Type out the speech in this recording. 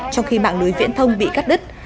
trong khi mạng lưới viễn thông bị cắt đứt